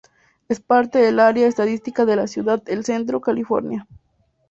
Es parte del área estadística de la ciudad El Centro, California.